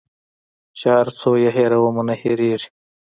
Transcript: چي هر څو یې هېرومه نه هیریږي